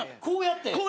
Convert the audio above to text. こうやって。